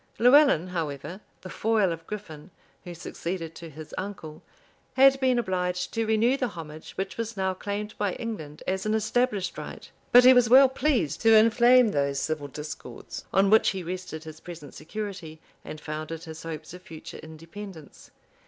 Lewellyn, however, the foil of Griffin, who succeeded to his uncle, had been obliged to renew the homage which was now claimed by England as an established right; but he was well pleased to inflame those civil discords, on which he rested his present security and founded his hopes of future independence.